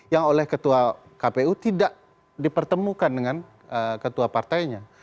yang oleh ketua kpu tidak dipertemukan dengan ketua partainya